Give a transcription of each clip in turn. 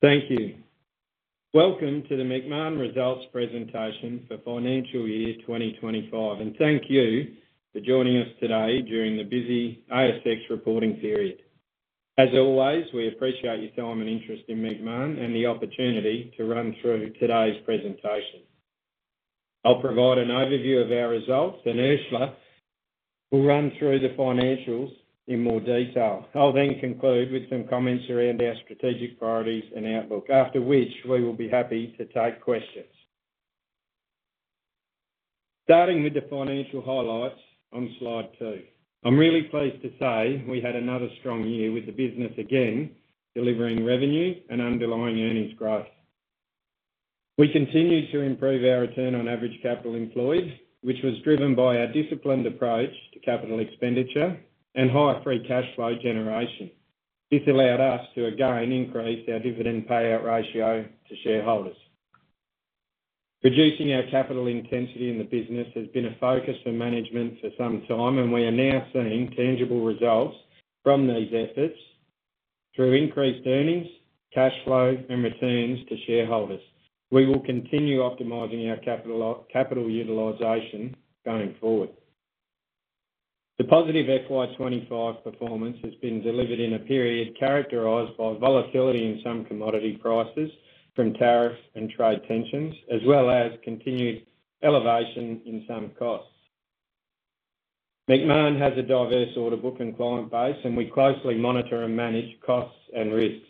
Thank you. Welcome to the Macmahon Results presentation for financial year 2024, and thank you for joining us today during the busy ASX reporting period. As always, we appreciate your time and interest in Macmahon and the opportunity to run through today's presentation. I'll provide an overview of our results, and Ursula will run through the financials in more detail. I'll then conclude with some commentary on our strategic priorities and outlook, after which we will be happy to take questions. Starting with the financial highlights on slide two, I'm really pleased to say we had another strong year with the business again, delivering revenue and underlying earnings growth. We continued to improve our return on average capital employed, which was driven by our disciplined approach to capital expenditure and high free cash flow generation. This allowed us to again increase our dividend payout ratio to shareholders. Reducing our capital intensity in the business has been a focus for management for some time, and we are now seeing tangible results from these efforts through increased earnings, cash flow, and returns to shareholders. We will continue optimizing our capital utilization going forward. The positive FY 2025 performance has been delivered in a period characterized by volatility in some commodity prices, from tariffs and trade tensions, as well as continued elevation in some costs. Macmahon has a diverse order book and client base, and we closely monitor and manage costs and risks.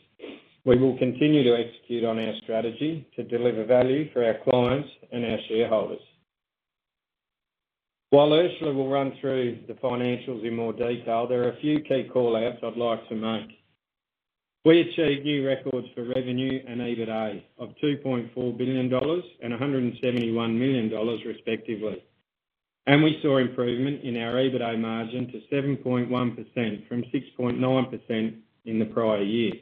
We will continue to execute on our strategy to deliver value for our clients and our shareholders. While Ursula will run through the financials in more detail, there are a few key call-outs I'd like to make. We achieved new records for revenue and EBITDA of $2.4 billion and $171 million, respectively, and we saw improvement in our EBITDA margin to 7.1%, from 6.9% in the prior year.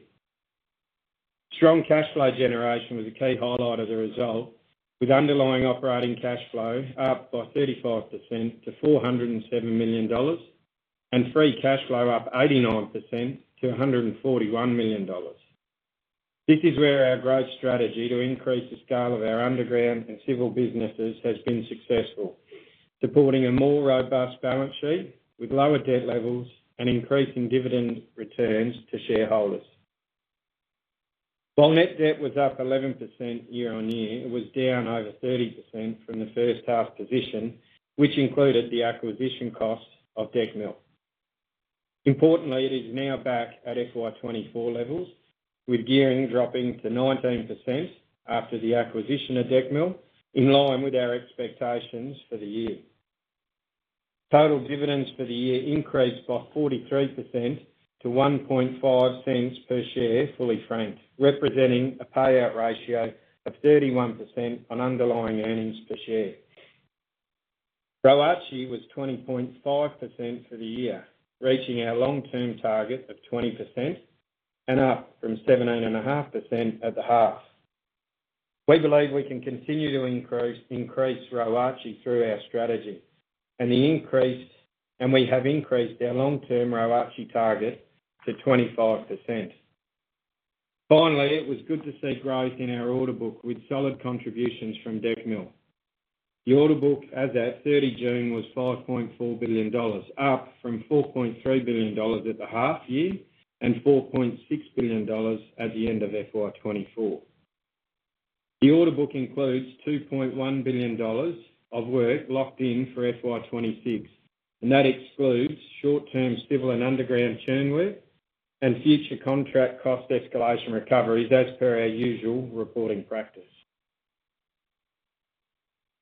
Strong cash flow generation was a key highlight of the result, with underlying operating cash flow up by 35% to $407 million and free cash flow up 89% to $141 million. This is where our growth strategy to increase the scale of our underground and civil businesses has been successful, supporting a more robust balance sheet with lower debt levels and increasing dividend returns to shareholders. While net debt was up 11% year-on-year, it was down over 30% from the first half position, which included the acquisition costs of Deck Mill. Importantly, it is now back at FY 2024 levels, with gearing dropping to 19% after the acquisition of Deck Mill, in line with our expectations for the year. Total dividends for the year increased by 43% to $0.015 per share fully franked, representing a payout ratio of 31% on underlying earnings per share. ROACE was 20.5% for the year, reaching our long-term target of 20% and up from 17.5% at the half. We believe we can continue to increase ROACE through our strategy, and we have increased our long-term ROACE target to 25%. Finally, it was good to see growth in our order book with solid contributions from Deck Mill. The order book as at 30 June was $5.4 billion, up from $4.3 billion at the half year and $4.6 billion at the end of FY 2024. The order book includes $2.1 billion of work locked in for FY 2026, and that excludes short-term civil and underground churn work and future contract cost escalation recoveries as per our usual reporting practice.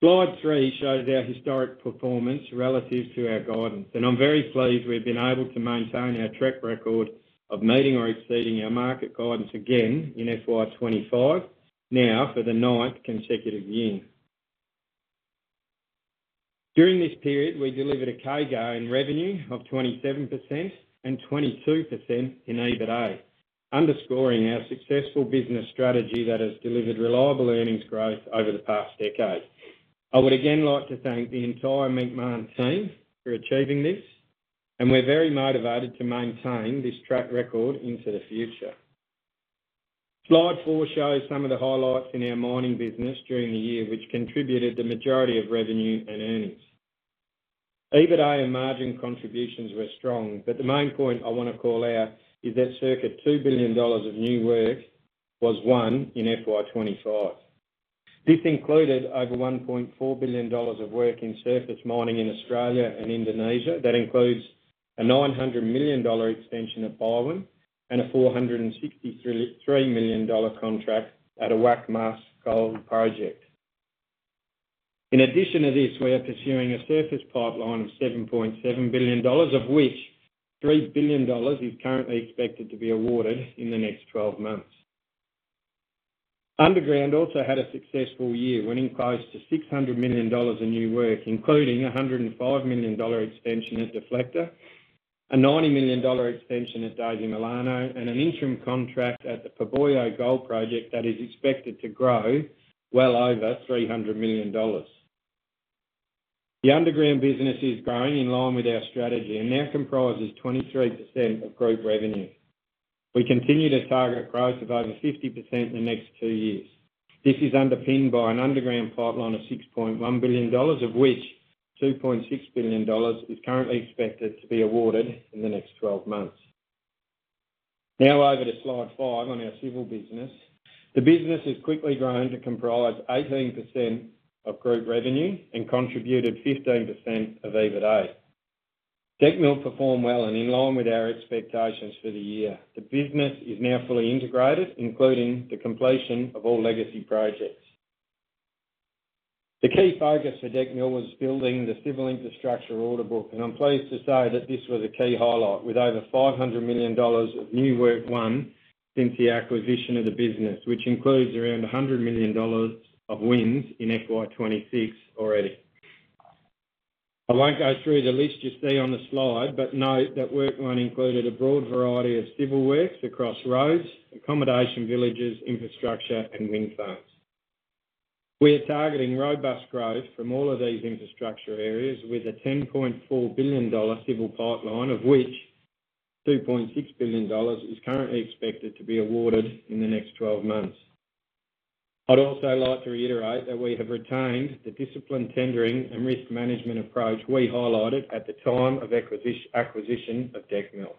Slide three shows our historic performance relative to our guidance, and I'm very pleased we've been able to maintain our track record of meeting or exceeding our market guidance again in FY 2025, now for the ninth consecutive year. During this period, we delivered a CAGR in revenue of 27% and 22% in EBITDA, underscoring our successful business strategy that has delivered reliable earnings growth over the past decade. I would again like to thank the entire Macmahon team for achieving this, and we're very motivated to maintain this track record into the future. Slide four shows some of the highlights in our mining business during the year, which contributed the majority of revenue and earnings. EBITDA and margin contributions were strong, but the main point I want to call out is that circa $2 billion of new work was won in FY 2025. This included over $1.4 billion of work in surface mining in Australia and Indonesia. That includes a $900 million extension at Bowen and a $463 million contract at a Awak Mas gold project. In addition to this, we are pursuing a surface pipeline of $7.7 billion, of which $3 billion is currently expected to be awarded in the next 12 months. Underground also had a successful year, winning close to $600 million in new work, including a $105 million extension at Deflector, a $90 million extension at Daisy Milano, and an interim contract at the Poboya gold project that is expected to grow well over $300 million. The underground business is growing in line with our strategy and now comprises 23% of group revenue. We continue to target growth of over 50% in the next two years. This is underpinned by an underground pipeline of $6.1 billion, of which $2.6 billion is currently expected to be awarded in the next 12 months. Now over to slide five on our civil business. The business is quickly growing to comprise 18% of group revenue and contributed 15% of EBITDA. Deck Mill performed well and in line with our expectations for the year. The business is now fully integrated, including the completion of all legacy projects. The key focus for Deck Mill was building the civil infrastructure order book, and I'm pleased to say that this was a key highlight, with over $500 million of new work won since the acquisition of the business, which includes around $100 million of wins in FY 2026 already. I won't go through the list you see on the slide, but note that work won included a broad variety of civil works across roads, accommodation villages, infrastructure, and wind farms. We are targeting robust growth from all of these infrastructure areas, with a $10.4 billion civil pipeline, of which $2.6 billion is currently expected to be awarded in the next 12 months. I'd also like to reiterate that we have retained the disciplined tendering and risk management approach we highlighted at the time of acquisition of Deck Mill.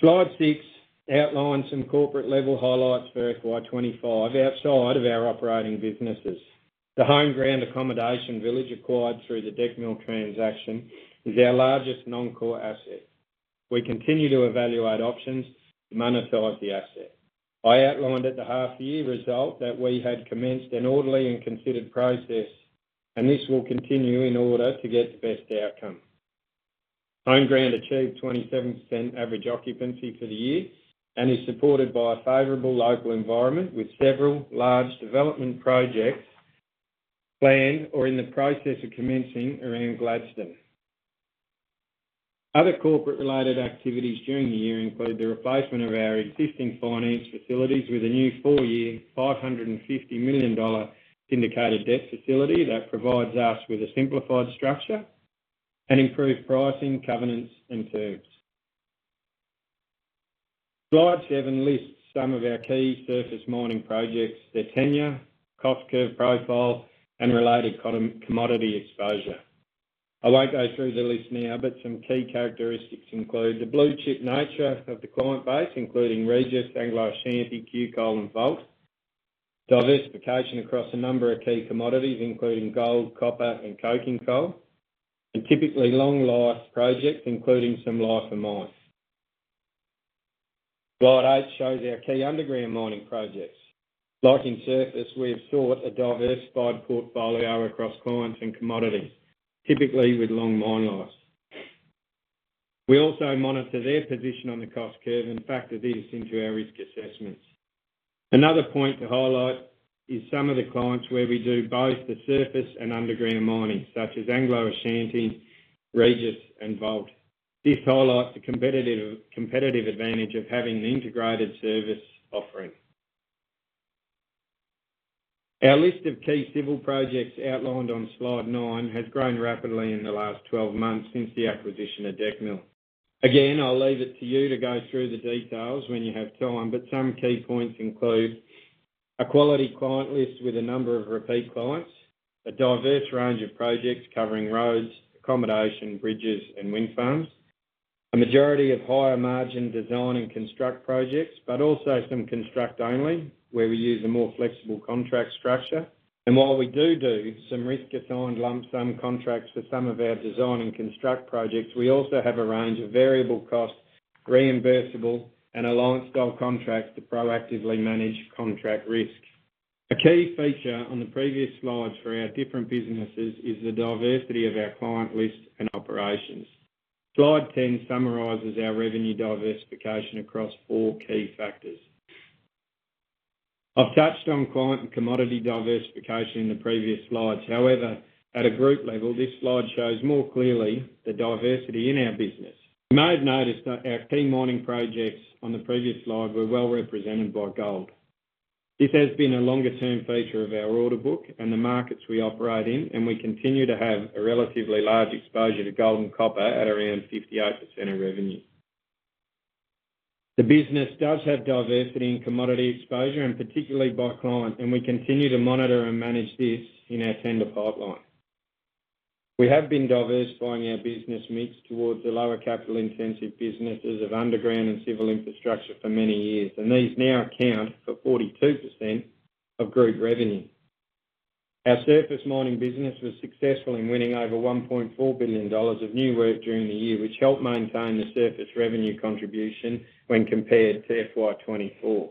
Slide six outlines some corporate level highlights for FY 2025, outside of our operating businesses. The HomeGround accommodation village acquired through the Deck Mill transaction is our largest non-core asset. We continue to evaluate options to monetize the asset. I outlined at the half-year result that we had commenced an orderly and considered process, and this will continue in order to get the best outcome. HomeGround achieved 27% average occupancy for the year and is supported by a favorable local environment, with several large development projects planned or in the process of commencing around Gladstone. Other corporate-related activities during the year include the replacement of our existing finance facilities with a new four-year $550 million syndicated debt facility that provides us with a simplified structure and improved pricing, governance, and covenants. Slide seven lists some of our key surface mining projects, their tenure, cost curve profile, and related commodity exposure. I won't go through the list now, but some key characteristics include the blue chip nature of the client base, including Regis, Anglo Ashanti, QCoal, and Volt. Diversification across a number of key commodities, including gold, copper, and coking coal, and typically long life projects, including some life and mine. Slide eight shows our key underground mining projects. Like in surface, we have sought a diversified portfolio across clients and commodities, typically with long mine life. We also monitor their position on the cost curve and factor this into our risk assessments. Another point to highlight is some of the clients where we do both the surface and underground mining, such as Anglo Ashanti, Regis, and Volt. This highlights the competitive advantage of having an integrated service offering. Our list of key civil projects outlined on slide nine has grown rapidly in the last 12 months since the acquisition of Deck Mill. I'll leave it to you to go through the details when you have time, but some key points include a quality client list with a number of repeat clients, a diverse range of projects covering roads, accommodation, bridges, and wind farms, a majority of higher margin design and construct projects, but also some construct only, where we use a more flexible contract structure. While we do some risk-assigned lump sum contracts for some of our design and construct projects, we also have a range of variable cost, reimbursable, and alliance style contracts to proactively manage contract risk. A key feature on the previous slides for our different businesses is the diversity of our client list and operations. Slide ten summarizes our revenue diversification across four key factors. I've touched on client and commodity diversification in the previous slides. However, at a group level, this slide shows more clearly the diversity in our business. You may have noticed that our key mining projects on the previous slide were well represented by gold. This has been a longer-term feature of our order book and the markets we operate in, and we continue to have a relatively large exposure to gold and copper at around 58% of revenue. The business does have diversity in commodity exposure, and particularly by client, and we continue to monitor and manage this in our tender pipeline. We have been diversifying our business mix towards the lower capital intensive businesses of underground and civil infrastructure for many years, and these now account for 42% of group revenue. Our surface mining business was successful in winning over $1.4 billion of new work during the year, which helped maintain the surface revenue contribution when compared to FY 2024.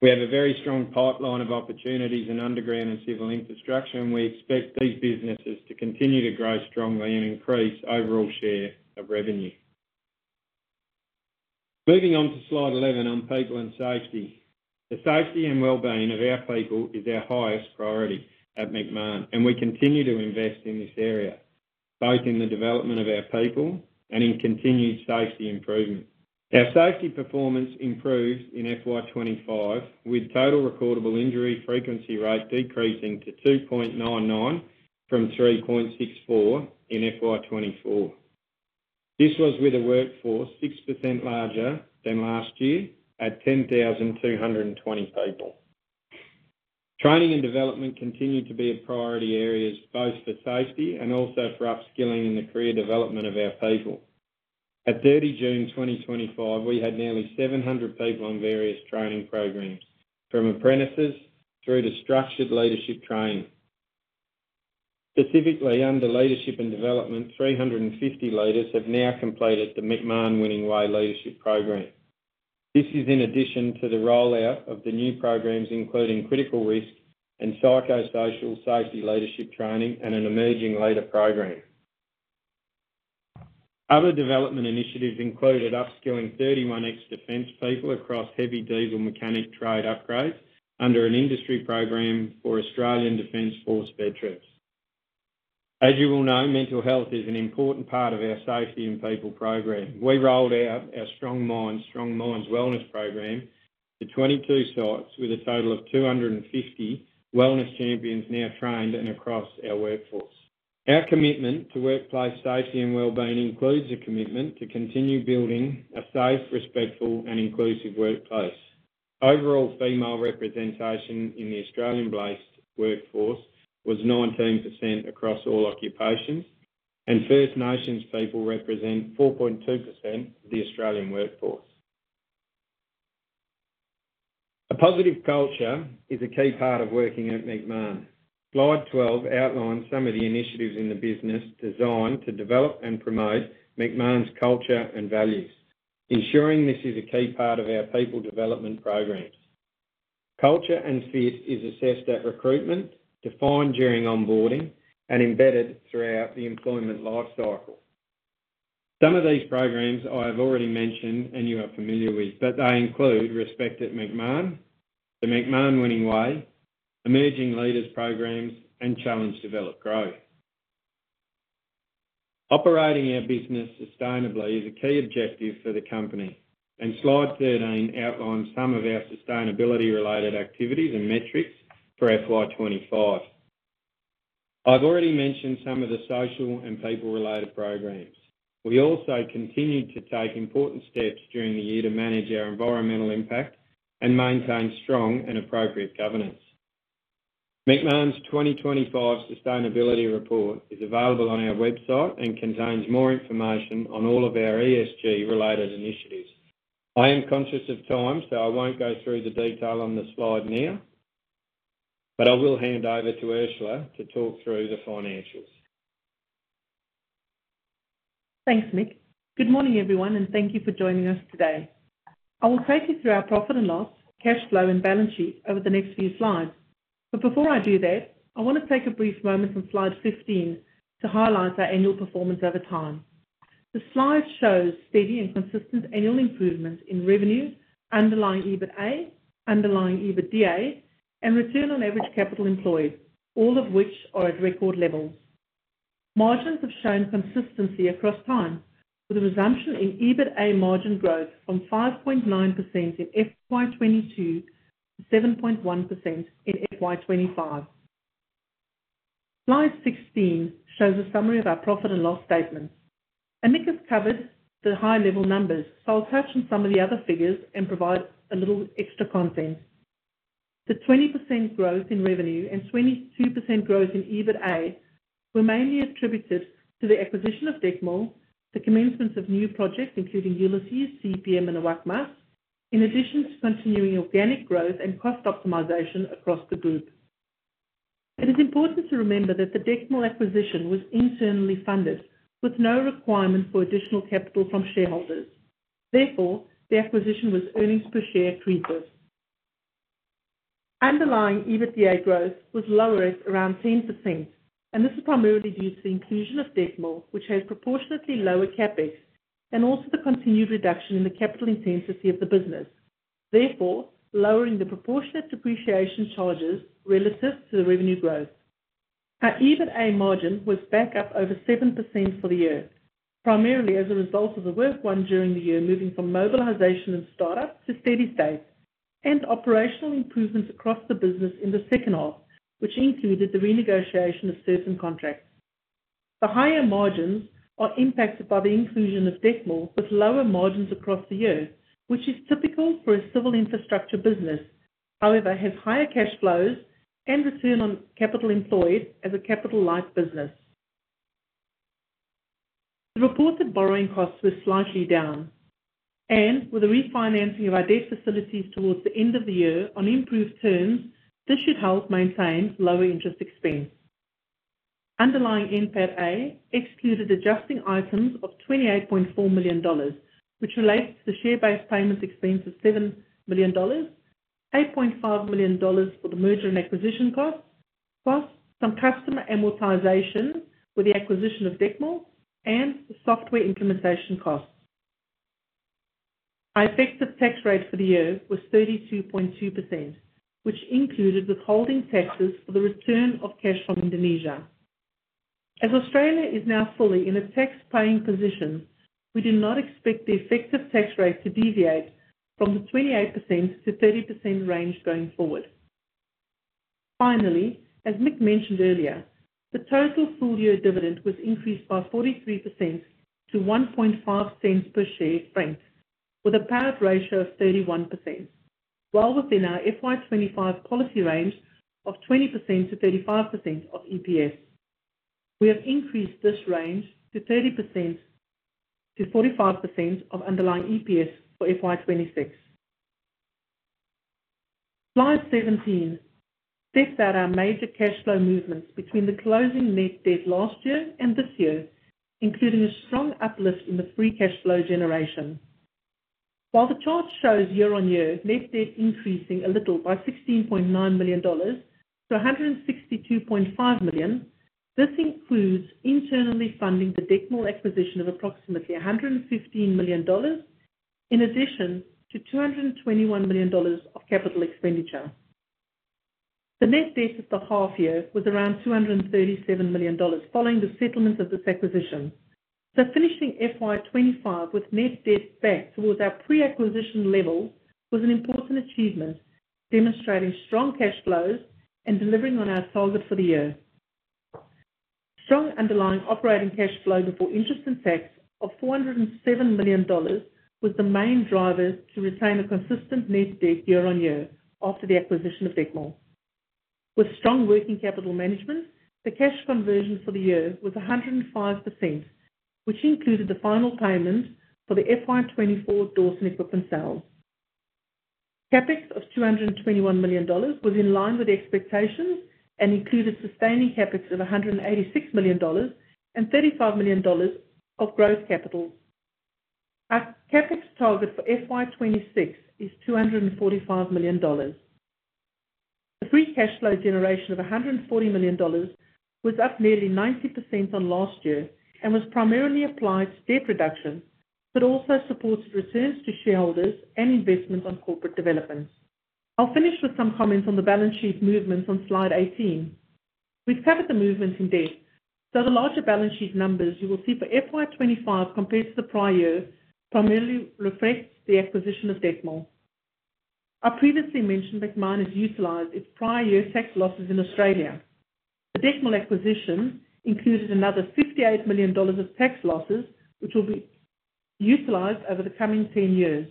We have a very strong pipeline of opportunities in underground and civil infrastructure, and we expect these businesses to continue to grow strongly and increase overall share of revenue. Moving on to slide 11 on people and safety. The safety and wellbeing of our people is our highest priority at Macmahon Holdings, and we continue to invest in this area, both in the development of our people and in continued safety improvement. Our safety performance improved in FY 2025, with total recordable injury frequency rate decreasing to 2.99% from 3.64% in FY 2024. This was with a workforce 6% larger than last year at 10,220 people. Training and development continue to be a priority area, both for safety and also for upskilling and the career development of our people. At 30 June 2025, we had nearly 700 people on various training programs, from apprentices through to structured leadership training. Specifically, under leadership and development, 350 leaders have now completed the Macmahon Winning Way leadership programme. This is in addition to the rollout of the new programs, including critical risk and psychosocial afety leadership training and an emerging leader programme. Other development initiatives included upskilling 31 ex-defense people across heavy diesel mechanic trade upgrades under an industry program for Australian Defence Force veterans. As you will know, mental health is an important part of our safety and people program. We rolled out our StrongMinds, StrongMinds Wellness programme to 22 sites, with a total of 250 wellness champions now trained and across our workforce. Our commitment to workplace safety and wellbeing includes a commitment to continue building a safe, respectful, and inclusive workplace. Overall, female representation in the Australian-based workforce was 19% across all occupations, and First Nations people represent 4.2% of the Australian workforce. A positive culture is a key part of working at Macmahon. Slide 12 outlines some of the initiatives in the business designed to develop and promote Macmahon's culture and values, ensuring this is a key part of our people development programs. Culture and fit is assessed at recruitment, defined during onboarding, and embedded throughout the employment lifecycle. Some of these programs I have already mentioned and you are familiar with, but they include Respect at Macmahon, the Macmahon Winning Way, Emerging Leaders Programs, and Challenge Develop Growth. Operating our business sustainably is a key objective for the company, and slide 13 outlines some of our sustainability-related activities and metrics for FY 2025. I've already mentioned some of the social and people-related programs. We also continued to take important steps during the year to manage our environmental impact and maintain strong and appropriate governance. Macmahon's 2025 Sustainability Report is available on our website and contains more information on all of our ESG-related initiatives. I am conscious of time, so I won't go through the detail on the slide now, but I will hand over to Ursula to talk through the financials. Thanks, Mike. Good morning everyone, and thank you for joining us today. I will take you through our profit and loss, cash flow, and balance sheet over the next few slides. Before I do that, I want to take a brief moment from slide 15 to highlight our annual performance over time. The slide shows steady and consistent annual improvements in revenue, underlying EBITDA, underlying EBITDA, and return on average capital employed, all of which are at record levels. Margins have shown consistency across time, with a resumption in EBITDA margin growth on 5.9% in FY 2022 and 7.1% in FY 2025. Slide 16 shows a summary of our profit and loss statement. Mike has covered the high-level numbers, so I'll touch on some of the other figures and provide a little extra content. The 20% growth in revenue and 22% growth in EBITDA were mainly attributed to the acquisition of Deck Mill, the commencement of new projects, including Ulysses, CPM, and WAKMAS, in addition to continuing organic growth and cost optimisation across the group. It is important to remember that the Deck Mill acquisition was internally funded, with no requirement for additional capital from shareholders. Therefore, the acquisition was earnings per share free. Underlying EBITDA growth was lower at around 10%, and this was primarily due to the inclusion of Deck Mill, which has proportionately lower capex, and also the continued reduction in the capital intensity of the business, therefore lowering the proportionate depreciation charges relative to the revenue growth. Our EBITDA margin was back up over 7% for the year, primarily as a result of the work done during the year, moving from mobilisation and startup to steady state, and operational improvements across the business in the second half, which included the renegotiation of certain contracts. The higher margins are impacted by the inclusion of Deck Mill, with lower margins across the year, which is typical for a civil infrastructure business, however, has higher cash flows and return on capital employed as a capital-light business. The reported borrowing costs were slightly down, and with the refinancing of our debt facilities towards the end of the year on improved terms, this should help maintain lower interest expense. Underlying NPATA excluded adjusting items of $28.4 million, which relates to the share-based payments expense of $7 million, $8.5 million for the merger and acquisition cost, plus some customer amortization with the acquisition of Deck Mill, and the software implementation costs. Our effective tax rate for the year was 32.2%, which included withholding taxes for the return of cash from Indonesia. As Australia is now fully in a tax-paying position, we do not expect the effective tax rate to deviate from the 28%-30% range going forward. Finally, as Mike mentioned earlier, the total full-year dividend was increased by 43% to $0.015 per share, with a payout ratio of 31%, while within our FY 2025 policy range of 20%-35% of EPS. We have increased this range to 30%-45% of underlying EPS for FY 2026. Slide 17 sets out our major cash flow movements between the closing net debt last year and this year, including a strong uplift in the free cash flow generation. While the chart shows year-on-year net debt increasing a little by $16.9 million-$162.5 million, this includes internally funding the Deck Mill acquisition of approximately $115 million, in addition to $221 million of capital expenditure. The net debt for the half year was around $237 million following the settlement of this acquisition. Finishing FY 2025 with net debt back towards our pre-acquisition level was an important achievement, demonstrating strong cash flows and delivering on our target for the year. Strong underlying operating cash flow before interest and tax of $407 million was the main driver to retain a consistent net debt year-on-year after the acquisition of Deck Mill. With strong working capital management, the cash conversion for the year was 105%, which included the final payment for the FY 2024 Dawson equipment sale. CapEx of $221 million was in line with expectations and included sustaining CapEx of $186 million and $35 million of gross capital. Our CapEx target for FY 2026 is $245 million. The free cash flow generation of $140 million was up nearly 90% on last year and was primarily applied to debt reduction, but also supported returns to shareholders and investments on corporate development. I'll finish with some comments on the balance sheet movements on slide 18. We've covered the movements in depth, so the larger balance sheet numbers you will see for FY 2025 compared to the prior year primarily reflect the acquisition of Deck Mill. Our previously mentioned Macmahon has utilised its prior year tax losses in Australia. Deck Mill acquisition included another $58 million of tax losses, which will be utilised over the coming 10 years,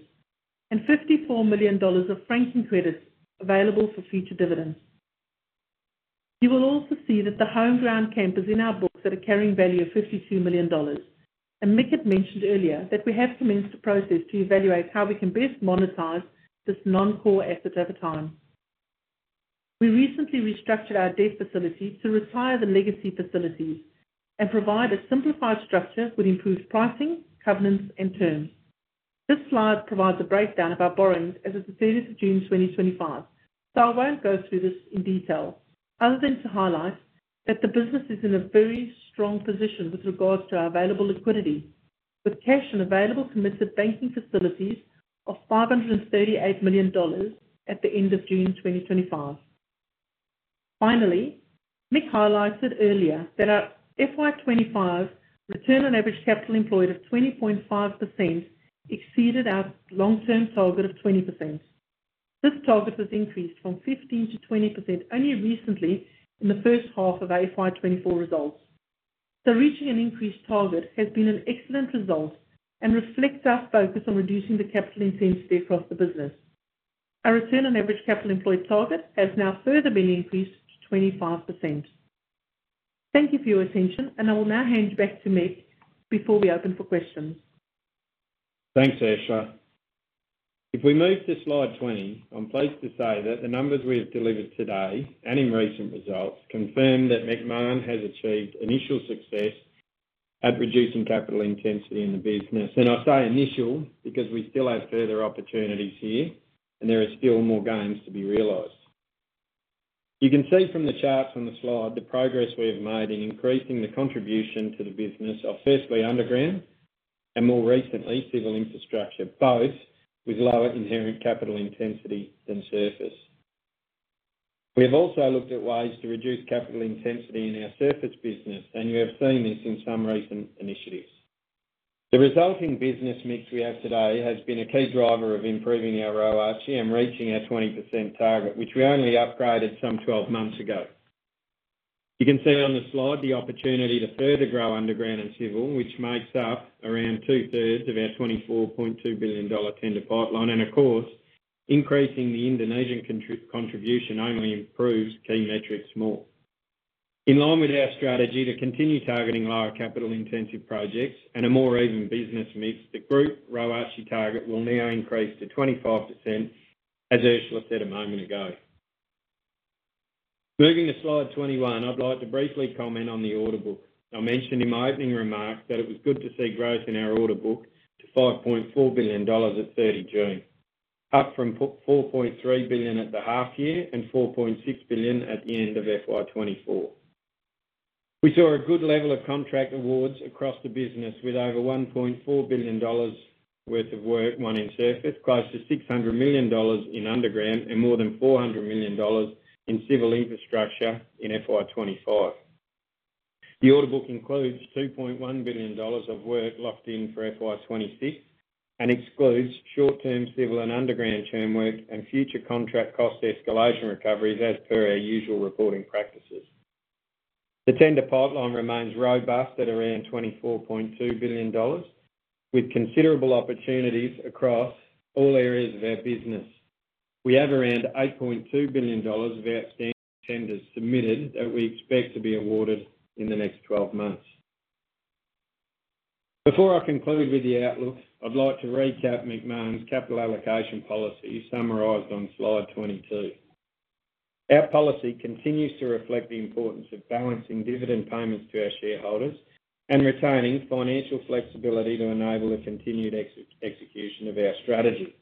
and $54 million of franking credits available for future dividends. You will also see that the homegrown camp is in our books at a carrying value of $52 million, and Mike had mentioned earlier that we have commenced a process to evaluate how we can best monetise this non-core asset over time. We recently restructured our debt facility to retire the legacy facilities and provide a simplified structure with improved pricing, governance, and terms. This slide provides a breakdown of our borrowings as of the 30th of June 2025, so I won't go through this in detail, other than to highlight that the business is in a very strong position with regards to our available liquidity, with cash and available committed banking facilities of $538 million at the end of June 2025. Finally, Mike highlighted earlier that our FY 2025 return on average capital employed of 20.5% exceeded our long-term target of 20%. This target has increased from 15% to 20% only recently in the first half of our FY 2024 results. Reaching an increased target has been an excellent result and reflects our focus on reducing the capital intensity across the business. Our return on average capital employed target has now further been increased to 25%. Thank you for your attention, and I will now hand you back to Mike before we open for questions. Thanks, Ursula. If we move to slide 20, I'm pleased to say that the numbers we've delivered today and in recent results confirm that Macmahon has achieved initial success at reducing capital intensity in the business. I say initial because we still have further opportunities here and there are still more gains to be realized. You can see from the charts on the slide the progress we've made in increasing the contribution to the business of firstly underground and more recently civil infrastructure, both with lower inherent capital intensity than surface. We have also looked at ways to reduce capital intensity in our surface business, and you have seen this in some recent initiatives. The resulting business mix we have today has been a key driver of improving our ROIC and reaching our 20% target, which we only upgraded some 12 months ago. You can see on the slide the opportunity to further grow underground and civil, which makes up around 2/3 of our $24.2 billion tender pipeline, and of course, increasing the Indonesian contribution only improves key metrics more. In line with our strategy to continue targeting lower capital intensive projects and a more even business mix, the group ROIC target will now increase to 25%, as Ursula said a moment ago. Moving to slide 21, I'd like to briefly comment on the order book. I mentioned in my opening remark that it was good to see growth in our order book to $5.4 billion at 30 June, up from $4.3 billion at the half year and $4.6 billion at the end of FY 2024. We saw a good level of contract awards across the business, with over $1.4 billion worth of work won in surface, close to $600 million in underground, and more than $400 million in civil infrastructure in FY 2025. The order book includes $2.1 billion of work locked in for FY 2026, and excludes short-term civil and underground term work and future contract cost escalation recoveries as per our usual reporting practices. The tender pipeline remains robust at around $24.2 billion, with considerable opportunities across all areas of our business. We have around $8.2 billion of outstanding tenders submitted that we expect to be awarded in the next 12 months. Before I conclude with the outlook, I'd like to recap Macmahon Holdings' capital allocation policy summarized on slide 22. Our policy continues to reflect the importance of balancing dividend payments to our shareholders and retaining financial flexibility to enable the continued execution of our strategy.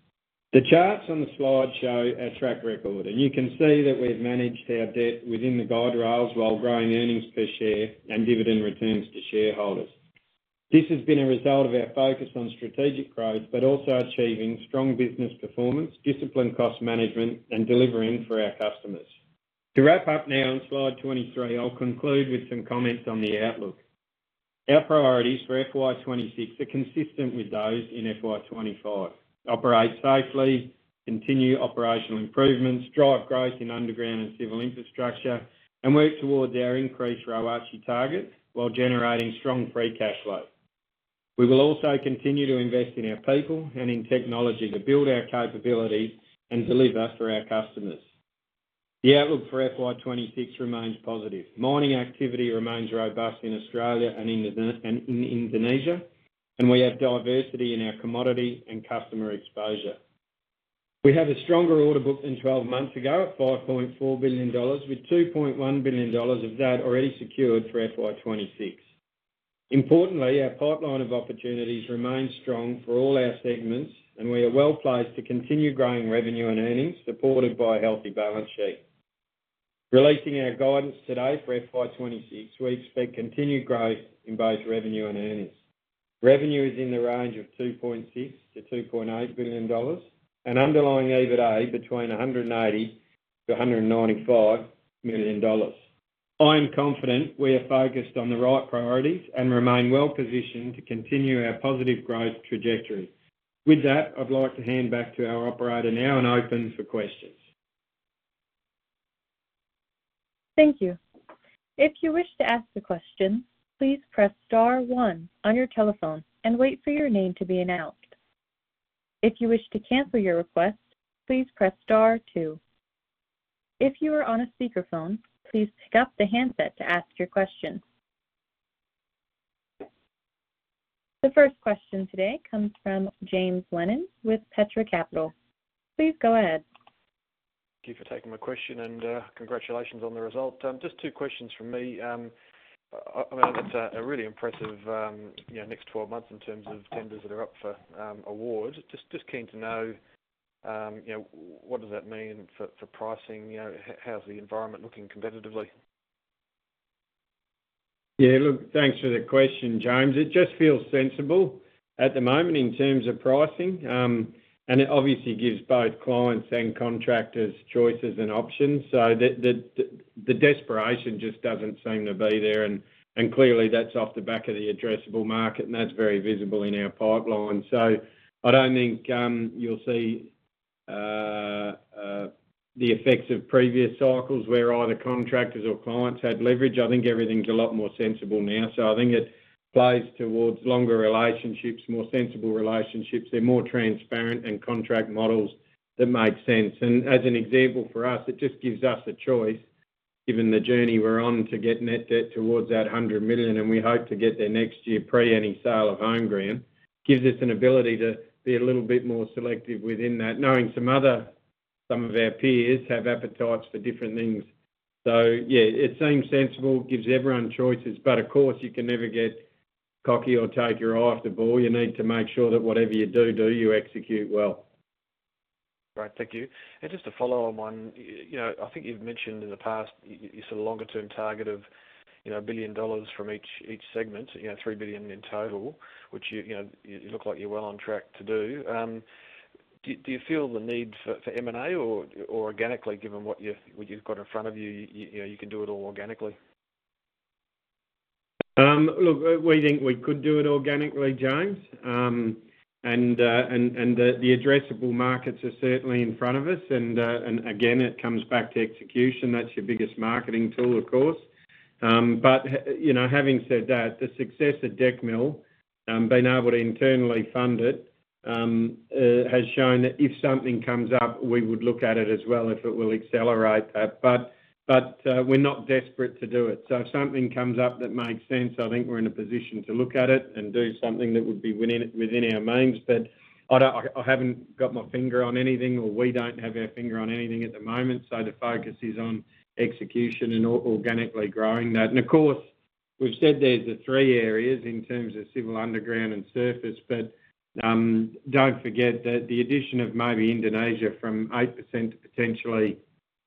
The charts on the slide show our track record, and you can see that we've managed our debt within the guardrails while growing earnings per share and dividend returns to shareholders. This has been a result of our focus on strategic growth, but also achieving strong business performance, disciplined cost management, and delivering for our customers. To wrap up now on slide 23, I'll conclude with some comments on the outlook. Our priorities for FY 2026 are consistent with those in FY 2025. Operate safely, continue operational improvements, drive growth in underground and civil infrastructure, and work towards our increased ROIC target while generating strong free cash flow. We will also continue to invest in our people and in technology to build our capabilities and deliver for our customers. The outlook for FY 2026 remains positive. Mining activity remains robust in Australia and in Indonesia, and we have diversity in our commodity and customer exposure. We have a stronger order book than 12 months ago at $5.4 billion, with $2.1 billion of that already secured for FY 2026. Importantly, our pipeline of opportunities remains strong for all our segments, and we are well placed to continue growing revenue and earnings, supported by a healthy balance sheet. Relating our guidance today for FY 2026, we expect continued growth in both revenue and earnings. Revenue is in the range of $2.6 to $2.8 billion, and underlying EBITDA between $180 to $195 million. I am confident we are focused on the right priorities and remain well positioned to continue our positive growth trajectory. With that, I'd like to hand back to our operator now and open for questions. Thank you. If you wish to ask a question, please press Star, one on your telephone and wait for your name to be announced. If you wish to cancel your request, please press Star, two. If you are on a speakerphone, please pick up the handset to ask your question. The first question today comes from James Lennon with Petra Capital. Please go ahead. Thank you for taking my question and congratulations on the result. Just two questions from me. That's a really impressive next four months in terms of tenders that are up for awards. Just keen to know what does that mean for pricing? How's the environment looking competitively? Yeah, look, thanks for the question, James. It just feels sensible at the moment in terms of pricing, and it obviously gives both clients and contractors choices and options. The desperation just doesn't seem to be there, and clearly that's off the back of the addressable market, and that's very visible in our pipeline. I don't think you'll see the effects of previous cycles where either contractors or clients had leverage. I think everything's a lot more sensible now, so I think it plays towards longer relationships, more sensible relationships, and more transparent and contract models that made sense. As an example for us, it just gives us a choice, given the journey we're on to get net debt towards that $100 million, and we hope to get there next year pre any sale of homegrown. It gives us an ability to be a little bit more selective within that, knowing some of our peers have appetites for different things. Yeah, it seems sensible, gives everyone choices, but of course you can never get cocky or take your eye off the ball. You need to make sure that whatever you do, you execute well. Thank you. Just to follow on, I think you've mentioned in the past you set a longer term target of $1 billion from each segment, $3 billion in total, which you look like you're well on track to do. Do you feel the need for M&A or, organically, given what you've got in front of you, you can do it all organically? Look, we think we could do it organically, James. The addressable markets are certainly in front of us. It comes back to execution. That's your biggest marketing tool, of course. Having said that, the success of Deck Mill, being able to internally fund it, has shown that if something comes up, we would look at it as well if it will accelerate that. We're not desperate to do it. If something comes up that makes sense, I think we're in a position to look at it and do something that would be within our means. I don't, I haven't got my finger on anything or we don't have our finger on anything at the moment. The focus is on execution and organically growing that. We've said there's the three areas in terms of civil, underground, and surface. Don't forget that the addition of maybe Indonesia from 8% to potentially,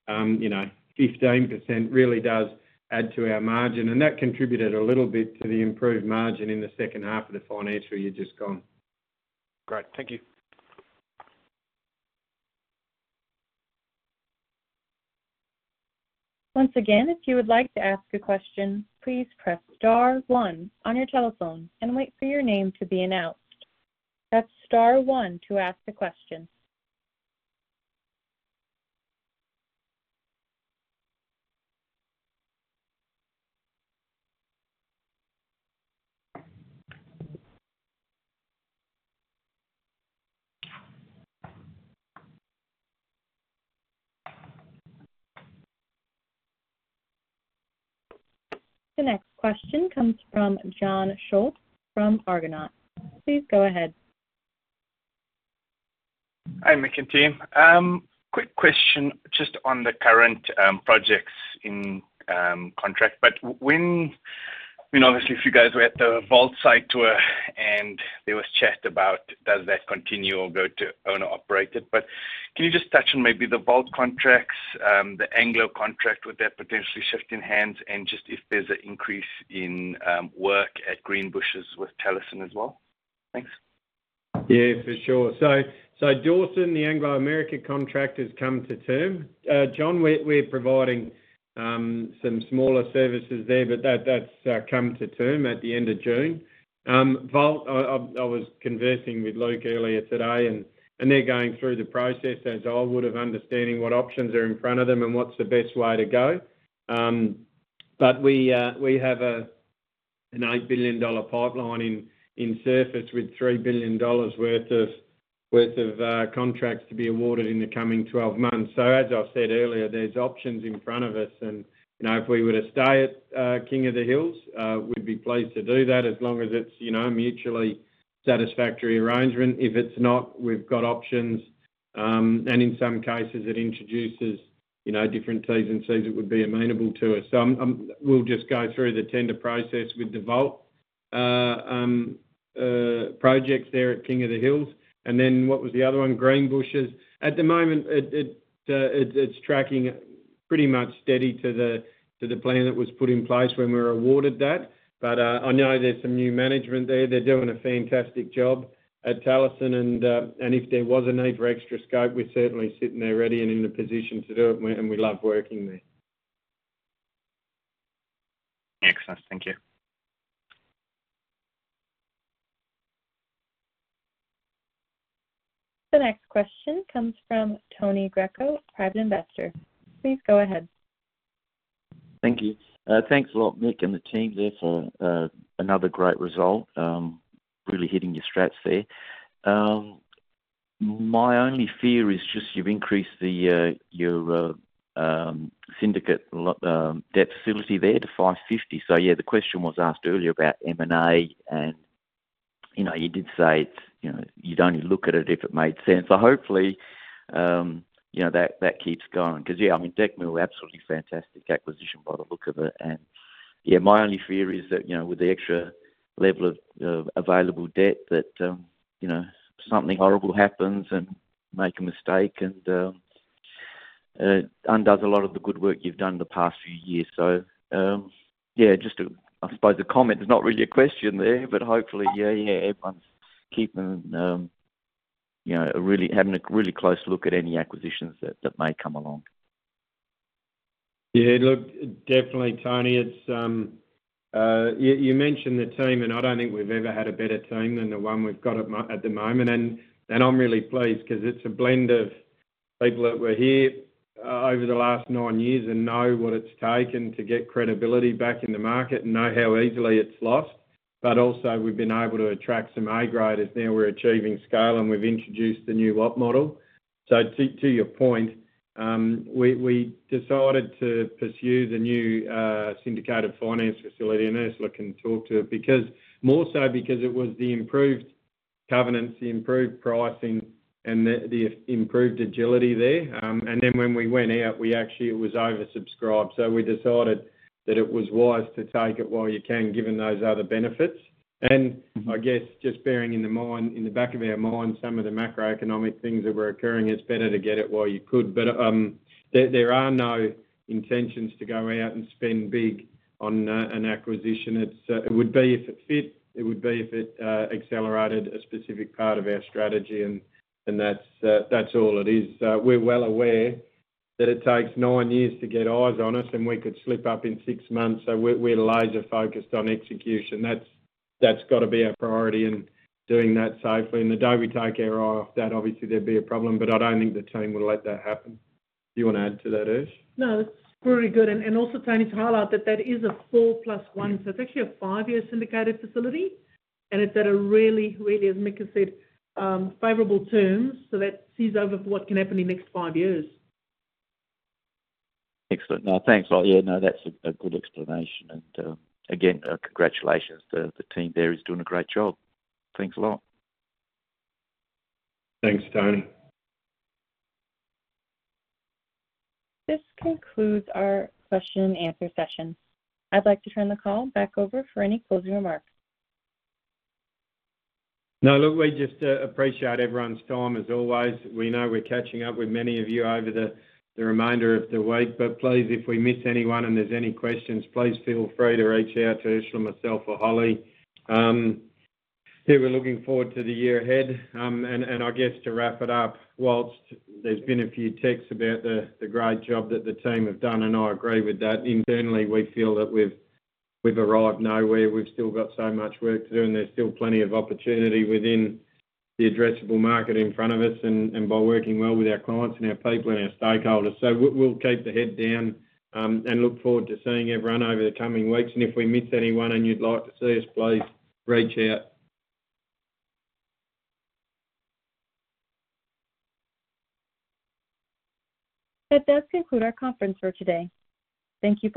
you know, 15% really does add to our margin. That contributed a little bit to the improved margin in the second half of the financial year just gone. Great, thank you. Once again, if you would like to ask a question, please press Star, one on your telephone and wait for your name to be announced. That's Star, one to ask a question. The next question comes from John Schultz from Argonaut. Please go ahead. Hi Mike and team. Quick question just on the current projects in contract. When, I mean, obviously if you guys were at the Vault site tour and there was chat about does that continue or go to owner-operated. Can you just touch on maybe the Vault contracts, the Anglo contract with that potentially shifting hands, and just if there's an increase in work at Greenbushes with Talison as well? Thanks. Yeah, for sure. Dawson, the Anglo American contract has come to term. John, we're providing some smaller services there, but that's come to term at the end of June. Vault, I was conversing with Luke earlier today and they're going through the process as I would of understanding what options are in front of them and what's the best way to go. We have an $8 billion pipeline in surface with $3 billion worth of contracts to be awarded in the coming 12 months. As I said earlier, there's options in front of us. If we were to stay at King of the Hills, we'd be pleased to do that as long as it's a mutually satisfactory arrangement. If it's not, we've got options. In some cases, it introduces different Ts & Cs that would be amenable to us. We'll just go through the tender process with the Vault projects there at King of the Hills. What was the other one? Greenbushes. At the moment, it's tracking pretty much steady to the plan that was put in place when we were awarded that. I know there's some new management there. They're doing a fantastic job at Talison. If there was a need for extra scope, we're certainly sitting there ready and in the position to do it. We love working there. Excellent, thank you. The next question comes from Tony Greco, private investor. Please go ahead. Thank you. Thanks a lot, Mike and the team there for another great result. Really hitting your stats there. My only fear is you've increased your syndicate debt facility to $550 million. The question was asked earlier about M&A, and you did say you'd only look at it if it made sense. Hopefully, that keeps going. Deck Mill, absolutely fantastic acquisition by the look of it. My only fear is that with the extra level of available debt, something horrible happens and you make a mistake and undo a lot of the good work you've done in the past few years. I suppose the comment is not really a question, but hopefully everyone's keeping a really close look at any acquisitions that may come along. Yeah, look, definitely, Tony, you mentioned the team, and I don't think we've ever had a better team than the one we've got at the moment. I'm really pleased because it's a blend of people that were here over the last nine years and know what it's taken to get credibility back in the market and know how easily it's lost. We've been able to attract some A-graders now. We're achieving scale and we've introduced the new lot model. To your point, we decided to pursue the new syndicated finance facility. Ursula can talk to it more so because it was the improved governance, the improved pricing, and the improved agility there. When we went out, it actually was oversubscribed. We decided that it was wise to take it while you can, given those other benefits. I guess just bearing in mind, in the back of our mind, some of the macroeconomic things that were occurring, it's better to get it while you could. There are no intentions to go out and spend big on an acquisition. It would be if it fits, it would be if it accelerated a specific part of our strategy. That's all it is. We're well aware that it takes nine years to get eyes on us and we could slip up in six months. We're laser focused on execution. That's got to be our priority and doing that safely. The day we take our eye off that, obviously there'd be a problem, but I don't think the team would let that happen. Do you want to add to that, Urs? No, that's really good. Also, Tony, to highlight that that is a four plus one, it's actually a five-year syndicated facility. It's at a really, really, as Mike said, favorable terms. That sees over for what can happen in the next five years. Excellent. No, thanks a lot. Yeah, that's a good explanation. Again, congratulations to the team there. It's doing a great job. Thanks a lot. Thanks, Tony. This concludes our question-and-answer session. I'd like to turn the call back over for any closing remarks. No, look, we just appreciate everyone's time as always. We know we're catching up with many of you over the remainder of the week. If we miss anyone and there's any questions, please feel free to reach out to Ursula, myself, or Holly. We're looking forward to the year ahead. To wrap it up, whilst there's been a few texts about the great job that the team have done, and I agree with that, internally we feel that we've arrived nowhere. We've still got so much work to do and there's still plenty of opportunity within the addressable market in front of us by working well with our clients and our people and our stakeholders. We'll keep the head down and look forward to seeing everyone over the coming weeks. If we miss anyone and you'd like to see us, please reach out. That does conclude our conference for today. Thank you.